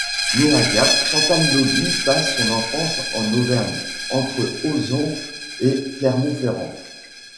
Née à Gap, Chantal Lauby passe son enfance en Auvergne, entre Auzon et Clermont-Ferrand.